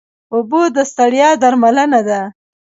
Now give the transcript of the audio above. اوبه د ستړیا درملنه ده